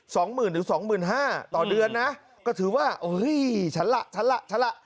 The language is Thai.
สองหมื่นถึงสองหมื่นห้าต่อเดือนนะก็ถือว่าเฮ้ยฉันล่ะฉันล่ะฉันล่ะ